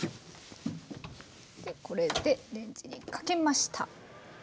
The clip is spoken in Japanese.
これでレンジにかけました。